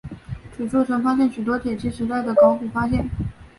此处曾发现许多铁器时代的考古发现。